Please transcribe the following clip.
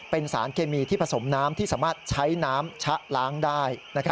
เป็นสารเคมีที่ผสมน้ำที่สามารถใช้น้ำชะล้างได้